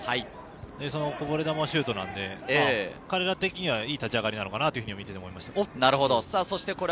そのこぼれ球はシュートなので、体的にはいい立ち上がりなのかなと見ています。